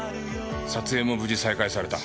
撮影も無事再開された。